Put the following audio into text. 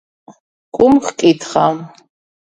კუმ ჰკითხა: